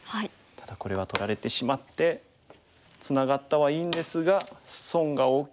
ただこれは取られてしまってツナがったはいいんですが損が大きい。